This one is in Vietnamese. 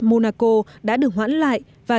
monaco đã được hoãn lại và